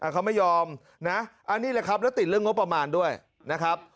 เขาไม่ยอมนะอันนี้แหละครับแล้วติดเรื่องงบประมาณด้วยนะครับ